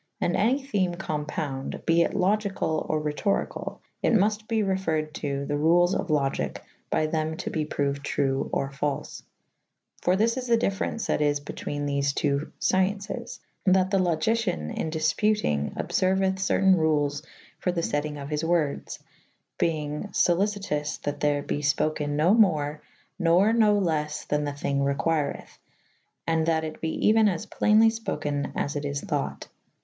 And any theme compounde be it Logycall or Rhetor ycall / it multe be referryd to the rules of Logike by thew to be prouyd true or falfe. For thys is the dyfference that is betwene thefe two fciencis / that the Logycyan in difputynge obferuythe certayne rules for the fettynge of his words [,] beynge folycytous that ther be fpokyn no more nor no les then the thynge requirith / and that [A viii b] it be eue« as playnly fpoke« as it is thought.